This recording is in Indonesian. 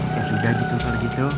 ya sudah gitu pak gitu